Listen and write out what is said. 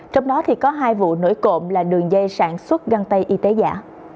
trong đó có hai vụ nổi cộng là đường dây sản xuất găng tay y tế giả